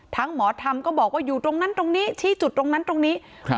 หมอธรรมก็บอกว่าอยู่ตรงนั้นตรงนี้ชี้จุดตรงนั้นตรงนี้ครับ